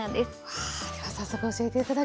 はあでは早速教えて頂きます。